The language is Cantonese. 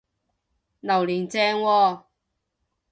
榴槤正喎！